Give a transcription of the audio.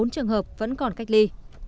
bốn trường hợp vẫn còn cách ly